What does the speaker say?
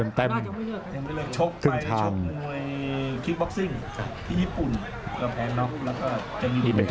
อัศวินาศาสตร์